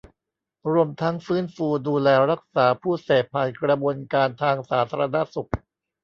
รวมทั้งฟื้นฟู ดูแล รักษาผู้เสพผ่านกระบวนการทางสาธารณสุข